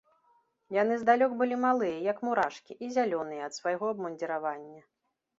Яны здалёк былі малыя, як мурашкі, і зялёныя ад свайго абмундзіравання.